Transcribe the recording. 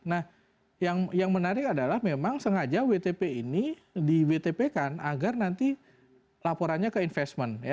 nah yang menarik adalah memang sengaja wtp ini di wtp kan agar nanti laporannya ke investment